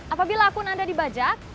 apabila akun anda dibajak